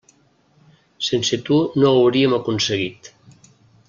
Sense tu no ho hauríem aconseguit.